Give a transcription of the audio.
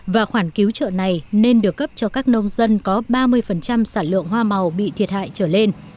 và khoản cứu trợ này nên được cấp cho các nông dân có ba mươi sản lượng hoa màu bị thiệt hại trở lên